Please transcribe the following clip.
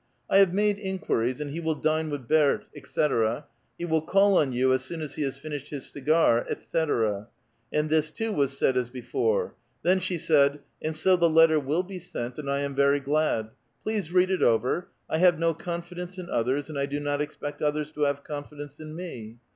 '' I have made inquiries, and he will dine with Berthe, etc. ; he will call on you as soon as he has finished his cigar, etc." And this too was said as before ; then she said, *' And so the letter will be sent, and I am very glad ; please read it over ; I have no confidence in others, and I do not expect others to have confidence in me.